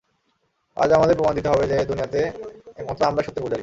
আজ আমাদের প্রমাণ দিতে হবে যে, দুনিয়াতে একমাত্র আমরাই সত্যের পূজারী।